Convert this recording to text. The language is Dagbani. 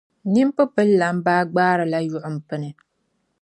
Nin’ pipililana baa gbaarila yuɣimpini.